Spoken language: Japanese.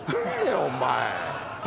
お前。